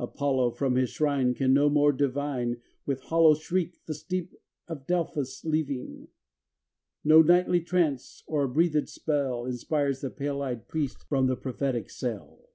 Apollo from his shrine Can no more divine. With hollow shriek the steep of Delphos leaving. No nightly trance, or breathed spell, Inspires the pale eyed Priest from the prophetic cell.